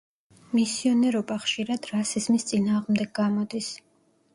მისიონერობა ხშირად რასიზმის წინააღნდეგ გამოდის.